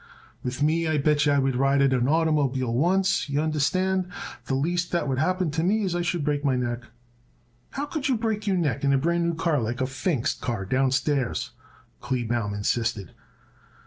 "With me I bet yer if I would ride in an oitermobile once, y'understand, the least that would happen to me is I should break my neck." "How could you break your neck in a brand new car like that Pfingst car downstairs?" Kleebaum insisted.